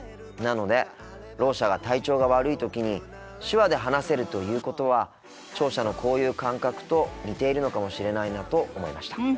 なのでろう者が体調が悪い時に手話で話せるということは聴者のこういう感覚と似ているのかもしれないなと思いました。